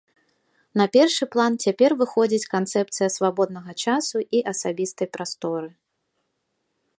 На першы план цяпер выходзіць канцэпцыя свабоднага часу і асабістай прасторы.